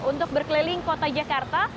untuk berkeliling kota jakarta